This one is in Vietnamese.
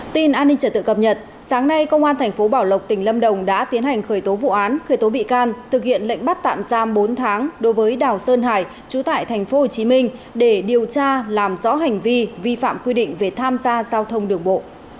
tin an ninh trở tự cập nhật sáng nay công an thành phố bảo lộc tỉnh lâm đồng đã tiến hành khởi tố vụ án khởi tố bị can thực hiện lệnh bắt tạm giam bốn tháng đối với đảo sơn hải trú tại thành phố hồ chí minh để điều tra làm rõ hành vi vi phạm quy định về tham gia giao thông đường bộ